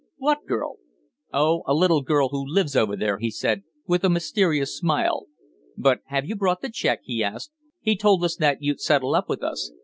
"What girl?" "Oh, a little girl who lives over there," he said, with a mysterious smile. "But have you brought the cheque?" he asked. "He told us that you'd settle up with us."